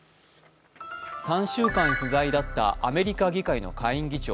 ３週間不在だったアメリカ議会の下院議長。